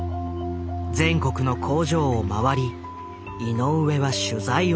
全国の工場を回り井上は取材を重ねる。